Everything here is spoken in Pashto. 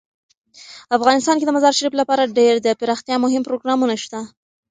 افغانستان کې د مزارشریف لپاره ډیر دپرمختیا مهم پروګرامونه شته دي.